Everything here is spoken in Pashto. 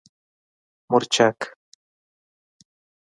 🌶 مورچک